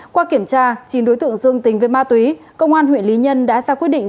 qua kiểm tra chín đối tượng dương tính với ma túy công an huyện lý nhân đã ra quyết định